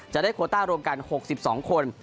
จะได้โคต้ารวมกัน๖๒คน